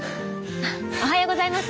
おはようございます。